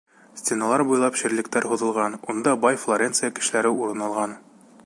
Стеналар буйлап ширлектәр һуҙылған, унда бай Флоренция кешеләре урын алған.